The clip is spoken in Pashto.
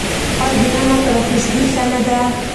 آیا د ایران عطر او خوشبویي ښه نه ده؟